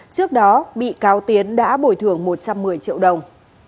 trước đó bị cáo tiến đã bồi thường một trăm một mươi triệu đồng